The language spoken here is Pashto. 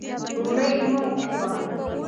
ډوډۍ مو وخوړه.